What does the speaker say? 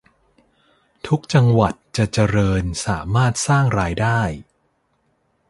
ทุกจังหวัดจะจริญสามารถสร้างรายได้